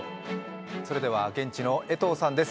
それでは現地の江藤さんです。